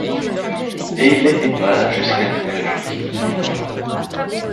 Et il n'était pas jusqu'à Mège qui ne triomphât.